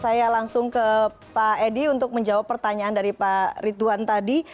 saya langsung ke pak edi untuk menjawab pertanyaan dari pak ridwan tadi